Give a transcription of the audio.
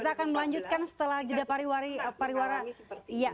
kita akan melanjutkan setelah jeda pariwara